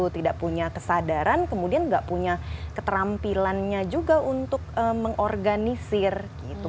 tidak punya kesadaran kemudian tidak punya keterampilannya juga untuk mengorganisir gitu